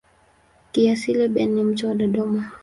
Kiasili Ben ni mtu wa Dodoma.